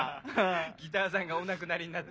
ギターさんがお亡くなりになって。